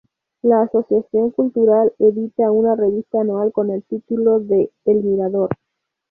La Asociación Cultural edita una revista anual con el título de "El Mirador".